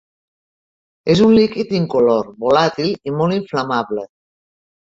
És un líquid incolor, volàtil i molt inflamable.